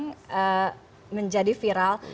banyak yang menjadi viral